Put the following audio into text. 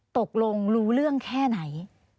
ตกลงรู้เรื่องแค่ไหน